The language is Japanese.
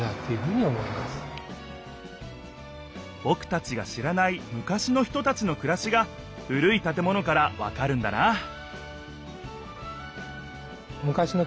ぼくたちが知らない昔の人たちのくらしが古い建物からわかるんだなあ